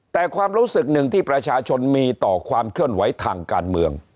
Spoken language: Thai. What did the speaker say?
แต่ความรู้สึกหนึ่งที่ประชาชนมีต่อความเคลื่อนไหวทางการเมือง